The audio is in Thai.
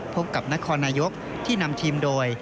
พบกับนครนายกที่นำทีมโดย